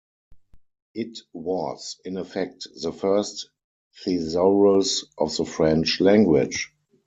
It was, in effect, the first thesaurus of the French language.